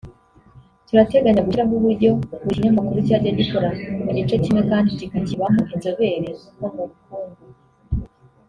“Turateganya gushyiraho uburyo buri kinyamakuru cyajya gikora mu gice kimwe kandi kikakibamo inzobere nko mu bukungu